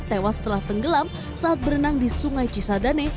tewas setelah tenggelam saat berenang di sungai cisadane